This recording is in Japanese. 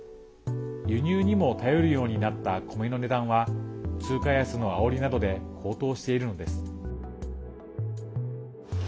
輸入にも頼るようになった米の値段は通貨安のあおりなどで高騰しているのです。